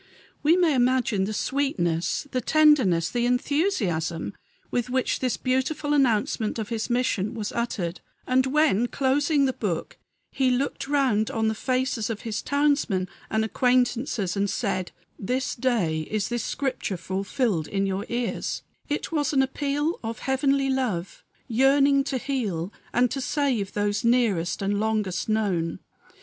We may imagine the sweetness, the tenderness, the enthusiasm with which this beautiful announcement of his mission was uttered; and when, closing the book, he looked round on the faces of his townsmen and acquaintances, and said, "This day is this scripture fulfilled in your ears," it was an appeal of Heavenly love yearning to heal and to save those nearest and longest known.